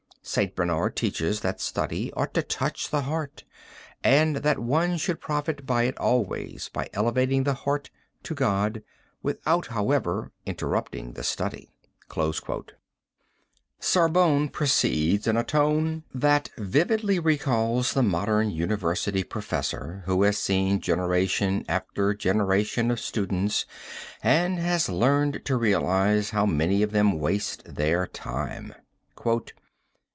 St. Bernard teaches that study ought to touch the heart and that one should profit by it always by elevating the heart to God, without, however, interrupting the study." Sorbonne proceeds in a tone that vividly recalls the modern university professor who has seen generation after generation of students and has learned to realize how many of them waste their time.